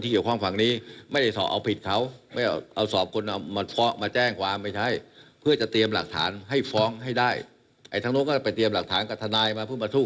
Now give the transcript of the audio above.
เอาผิดเขาไม่เอาสอบคนมาจ้ามาแจ้งความ